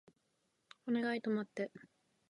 お願い止まって